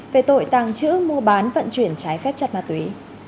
về tội tàng trữ mua bán vận chuyển trái phép chất ma túy